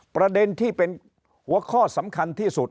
ประเด็นที่เป็นหัวข้อสำคัญที่สุด